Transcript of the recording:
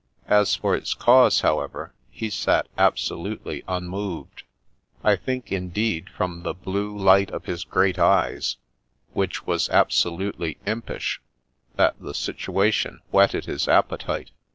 As for its cause, however, he sat absolutely unmoved. I think, indeed, from the blue light in his great eyes (which was absolutely impish), that the situation whetted his appetite.